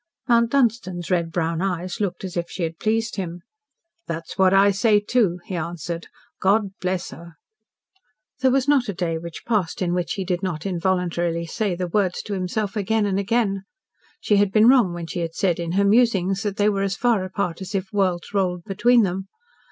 Mount Dunstan's red brown eyes looked as if she had pleased him. "That's what I say, too," he answered. "God bless her!" There was not a day which passed in which he did not involuntarily say the words to himself again and again. She had been wrong when she had said in her musings that they were as far apart as if worlds rolled between them.